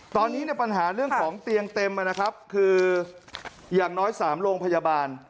ตอนนี้ในปัญหาเรื่องของเตียงเต็มนะครับคืออย่างน้อย๓โรงพยาบาล